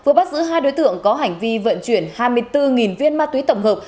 vừa bắt giữ hai đối tượng có hành vi vận chuyển hai mươi bốn viên ma túy tổng hợp